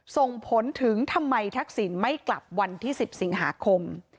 ส่งผลถึงทำไมทักษิณไม่กลับวันที่๑๐สิงหาคม